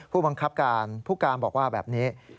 ผู้บังคับการผู้การบอกว่าแบบนี้